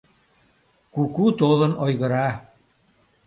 Куку толын ойгыра —